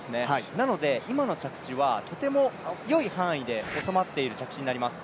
なので、今の着地は、とてもよい範囲で収まっている着地になります。